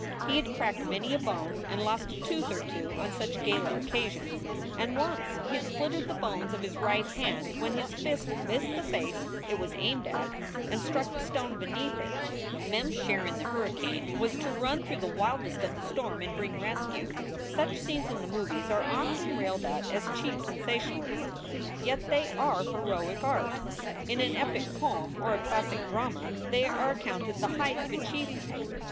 He had cracked many a bone and lost a tooth or two on such gala occasions; and once he had splintered the bones of his right hand when his fist missed the face it was aimed at and struck the stone beneath it. Mem s share in the hurricane was to run through the wildest of the storm and bring rescue. Such scenes in the movies are often railed at as cheap sensationalism, yet they are heroic art. In an epic poem, or a classic drama, they are accounted the height of achieve ment.